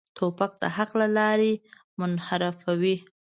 توپک د حق له لارې منحرفوي.